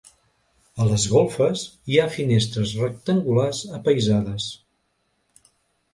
A les golfes hi ha finestres rectangulars apaïsades.